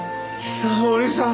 沙織さん！